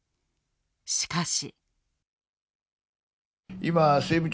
しかし。